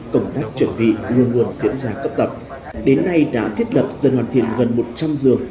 công tác chuẩn bị luôn luôn diễn ra cấp tập đến nay đã thiết lập dần hoàn thiện gần một trăm linh giường